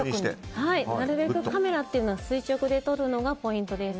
なるべくカメラというのは垂直で撮るのがポイントです。